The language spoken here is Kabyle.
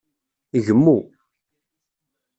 Gmu.